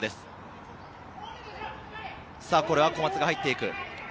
これは小松が入っていく。